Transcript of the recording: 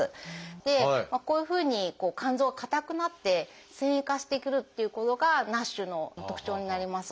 でこういうふうに肝臓が硬くなって線維化してくるっていうことがＮＡＳＨの特徴になります。